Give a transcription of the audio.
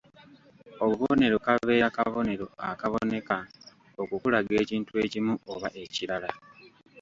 Obubonero kabeera kabonero akaboneka okukulaga ekintu ekimu oba ekirala.